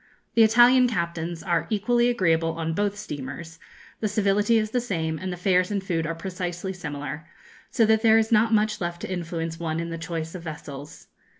The Italian captains are equally agreeable on both steamers, the civility is the same, and the fares and food are precisely similar, so that there is not much left to influence one in the choice of vessels.